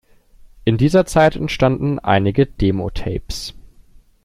In dieser Zeit entstanden einige Demo-Tapes.